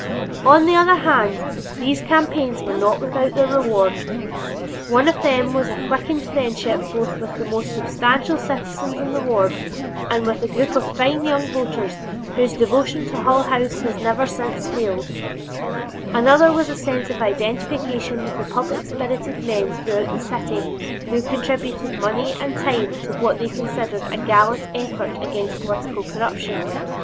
On the other hand, these campaigns were not without their rewards; one of them was a quickened friendship both with the more substantial citizens in the ward and with a group of fine young voters whose devotion to Hull House has never since failed; another was a sense of identification with public spirited men throughout the city who contributed money and time to what they considered a gallant effort against political corruption.